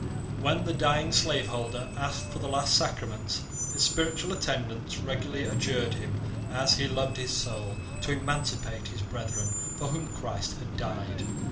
When the dying slaveholder asked for the last sacraments, his spiritual attendants regularly adjured him, as he loved his soul, to emancipate his brethren for whom Christ had died.